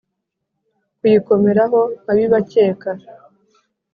Kuyikomeraho nkabibakeka.